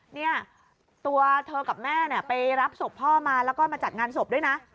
เนี่ยตัวเธอกับแม่เนี่ยไปรับศพพ่อมาแล้วก็มาจัดงานศพด้วยนะ